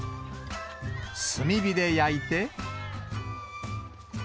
炭火で焼いて。